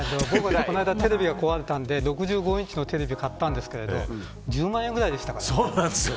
この間、テレビが壊れたので６５インチのテレビを買ったんですけど１０万円ぐらいでしたからね。